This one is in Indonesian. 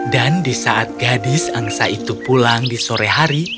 dan di saat gadis angsa itu pulang di sore hari